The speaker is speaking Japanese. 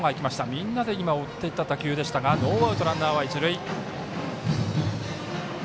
みんなで追っていった打球ですがノーアウト、ランナー、一塁。